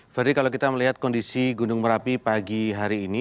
ferdi kalau kita melihat kondisi gunung merapi pagi hari ini